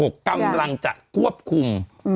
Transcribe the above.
กำลังจะควบคุม